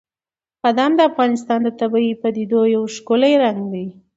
بادام د افغانستان د طبیعي پدیدو یو ښکلی رنګ دی.